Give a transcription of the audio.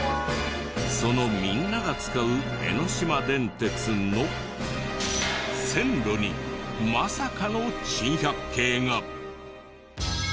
そのみんなが使う江ノ島電鉄の線路にまさかの珍百景が。